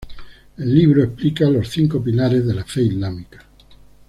El libro explica los cinco pilares de la fe islámica.